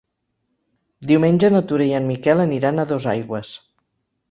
Diumenge na Tura i en Miquel aniran a Dosaigües.